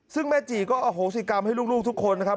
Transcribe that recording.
ซึ่งแม่จีก็อโหสิกรรมให้ลูกทุกคนนะครับ